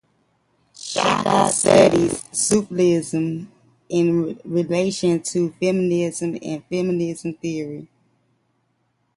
Shaikh studies Sufism in relation to feminism and feminist theory.